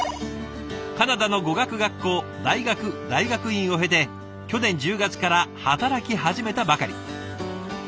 カナダの語学学校大学大学院を経て去年１０月から働き始めたばかり。